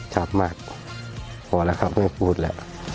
ฉันจับมากพอแล้วครับไหมพูดแหละ